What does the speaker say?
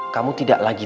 kamu tidak lagi